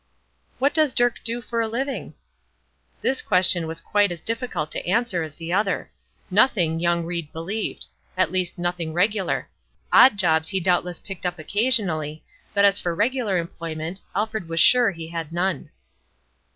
"What does Dirk do for a living?" This question was quite as difficult to answer as the other. Nothing, young Ried believed; at least nothing regular; odd jobs he doubtless picked up occasionally, but as for regular employment, Alfred was sure he had none.